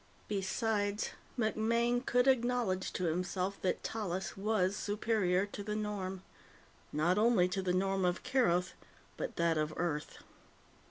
Besides, MacMaine could acknowledge to himself that Tallis was superior to the norm not only the norm of Keroth, but that of Earth.